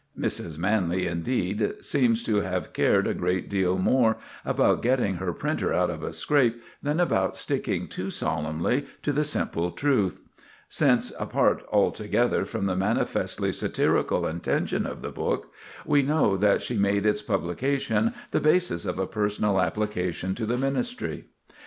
Mrs. Manley, indeed, seems to have cared a great deal more about getting her printer out of a scrape than about sticking too solemnly to the simple truth; since, apart altogether from the manifestly satirical intention of the book, we know that she made its publication the basis of a personal application to the ministry.